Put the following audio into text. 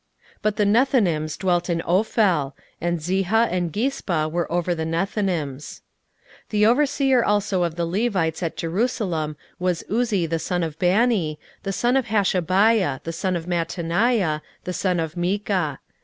16:011:021 But the Nethinims dwelt in Ophel: and Ziha and Gispa were over the Nethinims. 16:011:022 The overseer also of the Levites at Jerusalem was Uzzi the son of Bani, the son of Hashabiah, the son of Mattaniah, the son of Micha.